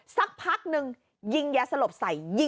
สักพักนึงยิงยาสลบใส่